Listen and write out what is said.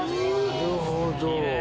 なるほど！